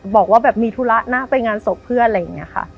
บอกว่าแบบมีธุระนะไปงานศพเพื่อนอะไรอย่างนี้ค่ะ